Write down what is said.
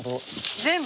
全部？